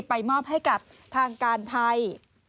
ไปมอบให้กับทางการไทย